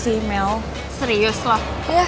aku akan cari jalan keluar